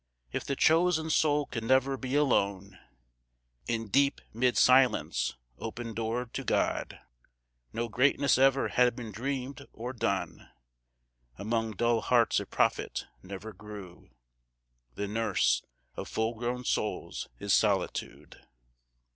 If the chosen soul could never be alone In deep mid silence, open doored to God, No greatness ever had been dreamed or done; Among dull hearts a prophet never grew; The nurse of full grown souls is solitude.